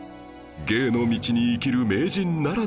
芸の道に生きる名人ならではです